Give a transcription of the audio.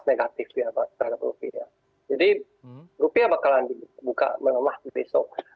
jadi rupiah bakalan dibuka melemah besok